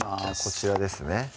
こちらですね